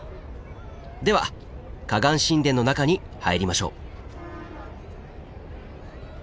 では河岸神殿の中に入りましょう。